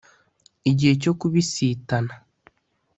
igihe cyo kubisitana